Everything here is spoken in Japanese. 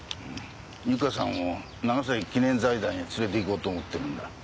由香さんを長崎記念財団へ連れていこうと思ってるんだ。